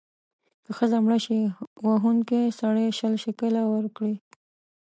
که ښځه مړه شي، وهونکی سړی شل شِکِله ورکړي.